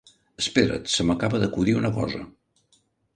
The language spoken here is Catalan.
Espera't! Se m'acaba d'acudir una cosa.